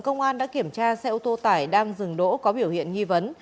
lực lượng công an đã kiểm tra xe ô tô tải đang dừng đỗ có biểu hiện nghi vấn